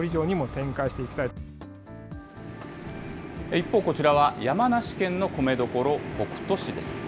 一方、こちらは山梨県の米どころ、北杜市です。